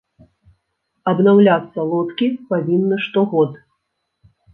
Абнаўляцца лодкі павінны штогод.